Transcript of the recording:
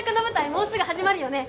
もうすぐ始まるよね？